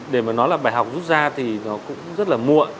để mà nói là bài học rút ra thì nó cũng rất là muộn